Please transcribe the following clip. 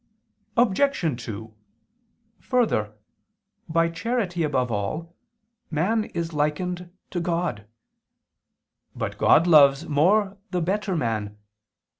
Obj. 2: Further, by charity above all, man is likened to God. But God loves more the better man.